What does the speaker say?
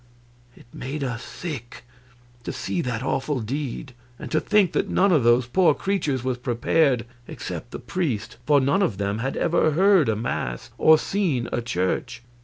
It made us sick to see that awful deed, and to think that none of those poor creatures was prepared except the priest, for none of them had ever heard a mass or seen a church.